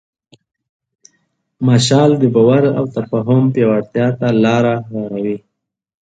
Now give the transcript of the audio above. مشعل د باور او تفاهم پیاوړتیا ته لاره هواروي.